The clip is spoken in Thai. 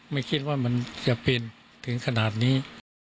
ไม่คิดว่ามันจะเป็นถึงขนาดนี้